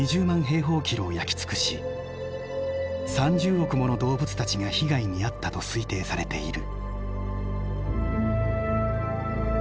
平方キロを焼き尽くし３０億もの動物たちが被害に遭ったと推定されている。